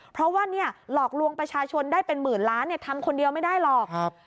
เพราะว่าเนี่ยหลอกลวงประชาชนได้เป็นหมื่นล้านทำคนเดียวไม่ได้หรอก